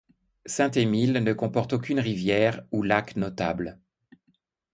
Saint-Émile ne comporte aucune rivière ou lac notable.